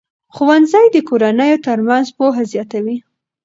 ښوونځي د کورنیو ترمنځ پوهه زیاتوي.